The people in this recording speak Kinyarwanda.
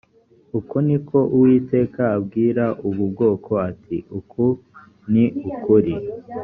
uku ni ko uwiteka abwira ubu bwoko ati uku ni ukuri